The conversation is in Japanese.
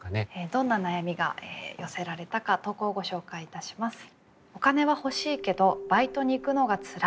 どんな悩みが寄せられたか投稿をご紹介いたします。